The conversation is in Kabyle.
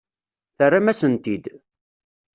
Terram-asen-t-id.